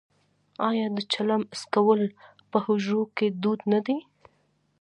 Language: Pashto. آیا د چلم څکول په حجرو کې دود نه دی؟